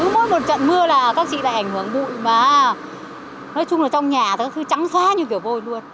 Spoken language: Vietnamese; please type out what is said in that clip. mỗi một trận mưa là các chị đã ảnh hưởng bụi mà nói chung là trong nhà nó cứ trắng xóa như kiểu vôi luôn